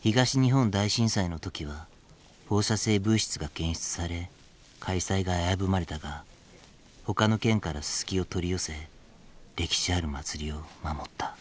東日本大震災の時は放射性物質が検出され開催が危ぶまれたがほかの県からススキを取り寄せ歴史ある祭りを守った。